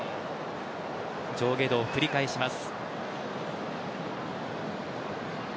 上下動を繰り返します。